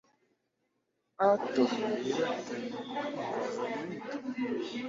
A torneira tem um vazamento.